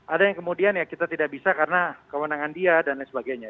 ada yang kemudian ya kita tidak bisa karena kewenangan dia dan lain sebagainya